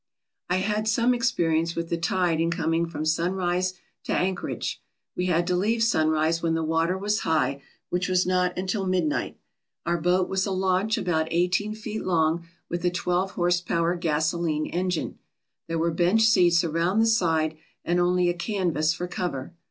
I had some experience with the tide in coming from Sunrise to Anchorage. We had to leave Sunrise when the water was high, which was not until midnight. Our boat was a launch about eighteen feet long, with a twelve horsepower gasolene engine. There were bench seats around the side and only a canvas for cover.